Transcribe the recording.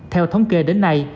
theo thống kê đến nay